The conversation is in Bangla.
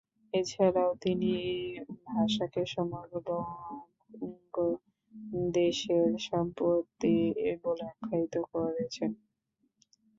এছাড়াও তিনি এ ভাষাকে সমগ্র বঙ্গদেশের সম্পত্তি বলে আখ্যায়িত করেছেন।